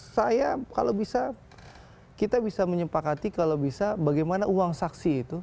saya kalau bisa kita bisa menyepakati kalau bisa bagaimana uang saksi itu